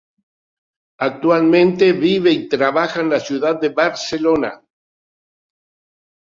Actualmente vive y trabaja en la ciudad de Barcelona.